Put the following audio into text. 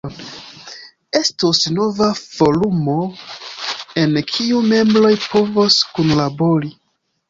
Estos nova forumo, en kiu membroj povos kunlabori.